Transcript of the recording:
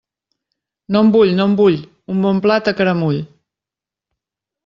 No en vull, no en vull, un bon plat a caramull.